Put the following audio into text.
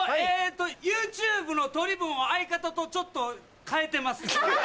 ＹｏｕＴｕｂｅの取り分を相方とちょっと変えてます。